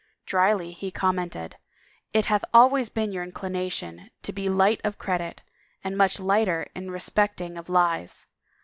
Dryly he commented, " It hath always been your inclination to be light of credit, and much lighter in respecting of lies.